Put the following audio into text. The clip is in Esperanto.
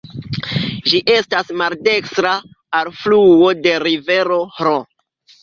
Ĝi estas maldekstra alfluo de rivero Hron.